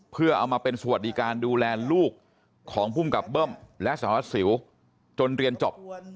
เพื่อเอามาเป็นสวัสดิการดูแลลูกของภูมิกับเบิ้มและสารวัสสิวจนเรียนจบ